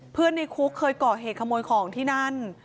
ในคุกเคยก่อเหตุขโมยของที่นั่น